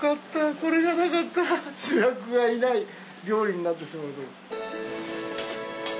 これがなかったら主役がいない料理になってしまうとこ。